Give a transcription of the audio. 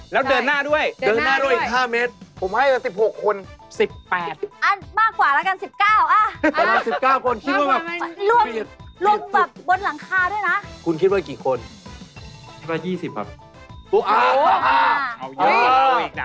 เอาแล้วไม่รู้ไม่รู้แล้ว